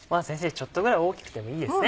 ちょっとぐらい大きくてもいいですね？